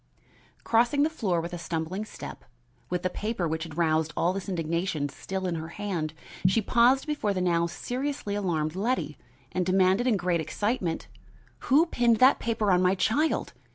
Crossing the floor with a stumbling step, with the paper which had roused all this indignation still in her hand, she paused before the now seriously alarmed Letty, and demanded in great excitement: "Who pinned that paper on my child?